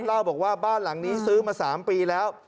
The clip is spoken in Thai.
เล่าบอกว่าบ้านหลังนี้ซื้อมา๓ปีแล้ว